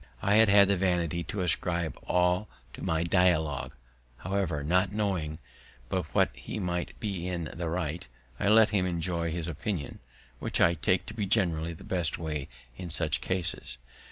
I had had the vanity to ascribe all to my Dialogue; however, not knowing but that he might be in the right, I let him enjoy his opinion, which I take to be generally the best way in such cases.